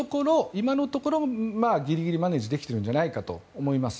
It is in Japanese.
今のところギリギリマネジできてるんじゃないかと思います。